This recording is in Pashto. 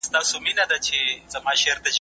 زموږ توکي باید د کیفیت لوړ معیارونه ولري.